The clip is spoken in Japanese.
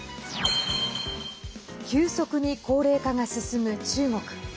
急速に高齢化が進む中国。